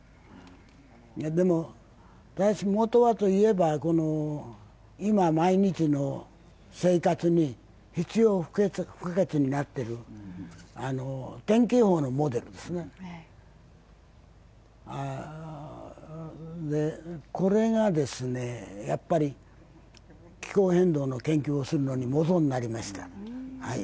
でももとはといえば、今毎日の生活に必要不可欠になっている天気予報のモデル、これが気候変動の研究をする元になりました。